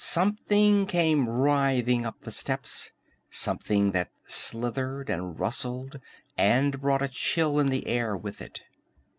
_ Something came writhing up the steps, something that slithered and rustled and brought a chill in the air with it.